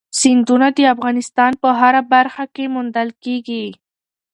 سیندونه د افغانستان په هره برخه کې موندل کېږي.